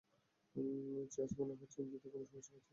Cheers মনে হচ্ছে ইঞ্জিনে কোন সমস্যা হয়েছে, একটু ধৈর্য ধরে বসুন।